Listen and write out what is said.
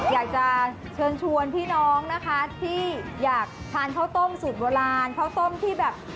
อยากจะเชิญชวนพี่น้องนะคะที่อยากทานข้าวต้มสูตรโบราณข้าวต้มที่แบบ